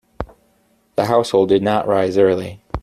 The household did not rise early.